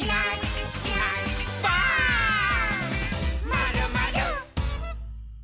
「まるまる」